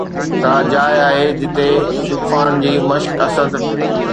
ڪا جاءِ آهي جتي شغفان جي مشق اسد!